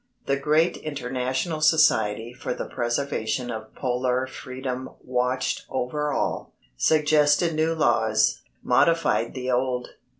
The great international society for the preservation of Polar freedom watched over all, suggested new laws, modified the old.